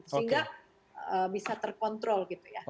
sehingga bisa terkontrol gitu ya